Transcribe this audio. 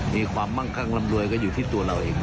มีความมั่งคั่งรำรวยก็อยู่ที่ตัวเราเอง